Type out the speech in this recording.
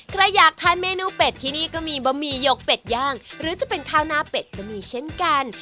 ใครอยากทานเมนูเป็ดที่นี่ก็มีบะหมี่ยกเป็ดย่างหรือจะเป็นข้าวหน้าเป็ดก็มีเช่นกัน